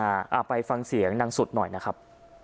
อ่าไปฟังเสียงนางสุดหน่อยนะครับ